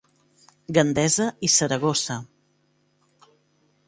Gandesa i Saragossa.